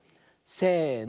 せの。